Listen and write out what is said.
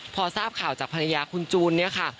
พอทราบข่าวจากภรรยาคุณจูนเนี่ยค่ะ